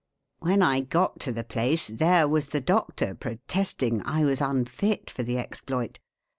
When I got to the place, there was the doctor protesting I was unfit for the exploit.